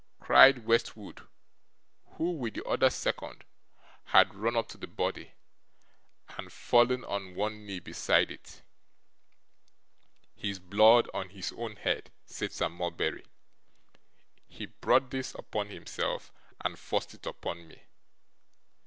cried Westwood, who, with the other second, had run up to the body, and fallen on one knee beside it. 'His blood on his own head,' said Sir Mulberry. 'He brought this upon himself, and forced it upon me.